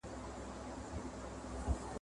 د هرات لرغونی ښار ..